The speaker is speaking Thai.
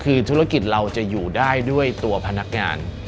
คือธุรกิจเราจะอยู่ได้ด้วยตัวพนักงาน